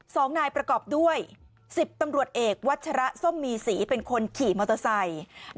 สองนายประกอบด้วยสิบตำรวจเอกวัชระส้มมีศรีเป็นคนขี่มอเตอร์ไซค์